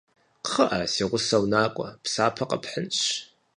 Кхъыӏэ, си гъусэу накӏуэ, псапэ къэпхьынщ.